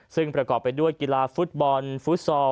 ซึ่งประกอบไปด้วยกีฬาฟุตบอลฟุตซอล